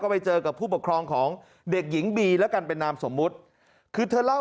ไปเจอกับผู้ปกครองของเด็กหญิงบีแล้วกันเป็นนามสมมุติคือเธอเล่า